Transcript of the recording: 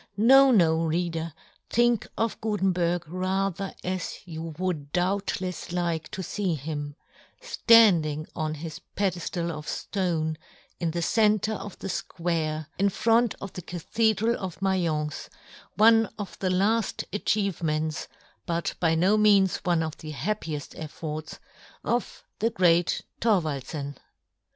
No, no, reader, think of Gutenberg rather as you would doubtlefs like to fee him, {land ing on his pedeflal of flone, in the centre of the fquare, in front of the Cathedral of Maience, one of the lafl achievements, but by no means one of the happiefl efforts, of the great Thorwaldfen.